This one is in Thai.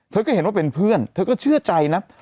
เธอก็เห็นว่าเป็นเพื่อนเธอก็เชื่อใจนะ